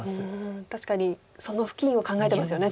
確かにその付近を考えてますよね